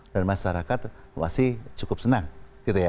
dan masyarakat masih cukup senang